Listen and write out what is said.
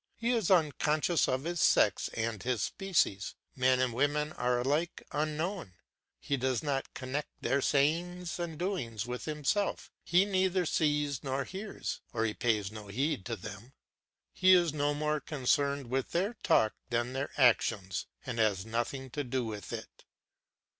He is unconscious of his sex and his species; men and women are alike unknown; he does not connect their sayings and doings with himself, he neither sees nor hears, or he pays no heed to them; he is no more concerned with their talk than their actions; he has nothing to do with it.